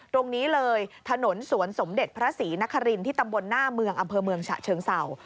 ตรงนี้เลยถนนสวนสมเด็จพระศรีนครินที่ตำบลหน้าเมืองอำเภอเมืองฉะเชิงเศร้า